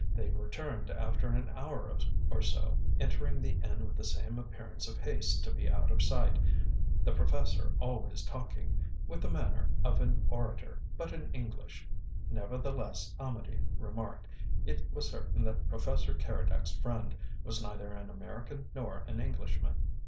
They returned after an hour or so, entering the inn with the same appearance of haste to be out of sight, the professor always talking, "with the manner of an orator, but in English." Nevertheless, Amedee remarked, it was certain that Professor Keredec's friend was neither an American nor an Englishman.